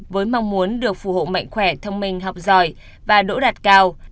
với mong muốn được phù hộ mạnh khỏe thông minh học giỏi và đỗ đạt cao